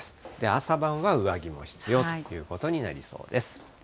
朝晩は上着も必要ということになりそうです。